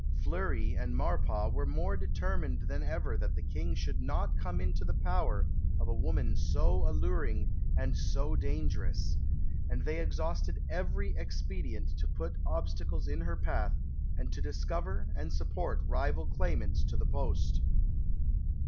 Fleury and Maurepas were more determined than ever that the King should not come into the power of a woman so alluring and so dangerous; and they exhausted every expedient to put obstacles in her path and to discover and support rival claimants to the post.